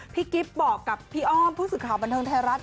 กิ๊บบอกกับพี่อ้อมผู้สื่อข่าวบันเทิงไทยรัฐ